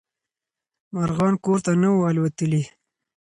مارغان ګور ته نه وو الوتلي.